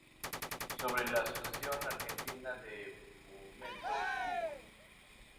Sobre la Asociación Argentina de Fomento Equino.